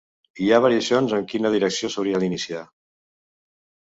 Hi ha variacions en quina direcció s'hauria d'iniciar.